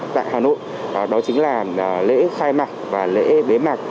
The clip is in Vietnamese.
tại hà nội đó chính là lễ khai mạc và lễ bế mạc